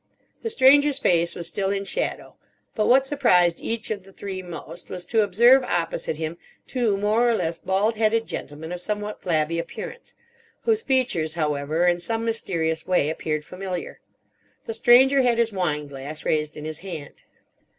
The Stranger's face was still in shadow. But what surprised each of the three most was to observe opposite him two more or less bald headed gentlemen of somewhat flabby appearance, whose features, however, in some mysterious way appeared familiar. The Stranger had his wine glass raised in his hand.